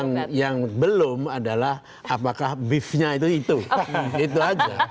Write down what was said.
nah yang belum adalah apakah beefnya itu itu aja